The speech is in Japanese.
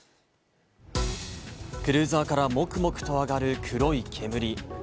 クルーザーから、もくもくと上がる黒い煙。